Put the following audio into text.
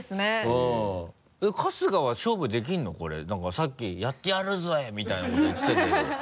さっき「やってやるぞ！」みたいなこと言ってたけど。